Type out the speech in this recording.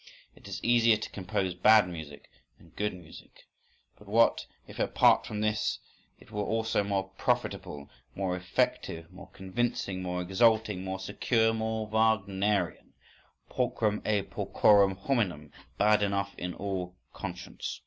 It is easier to compose bad music than good music. But what, if apart from this it were also more profitable, more effective, more convincing, more exalting, more secure, more Wagnerian?… Pulchrum est paucorum hominum. Bad enough in all conscience!